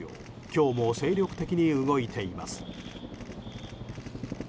今日も精力的に動いています。